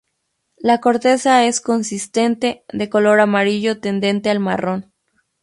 La corteza es consistente, de color amarillo tendente al marrón.